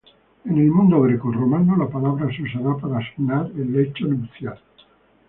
En el mundo greco-romano la palabra se usará para asignar el lecho nupcial.